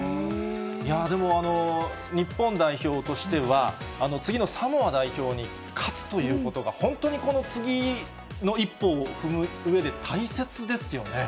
でも、日本代表としては、次のサモア代表に勝つということが、本当にこの次の一歩を踏むうえで大切ですよね。